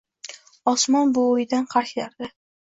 Osmon bu o‘yidan qaytardi.